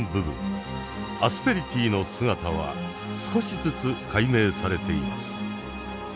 アスペリティの姿は少しずつ解明されています。